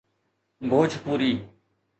Bhojpuri